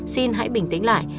xin hãy bình tĩnh lại